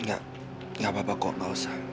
enggak enggak apa apa kok gak usah